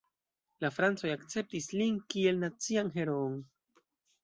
La francoj akceptis lin kiel nacian heroon.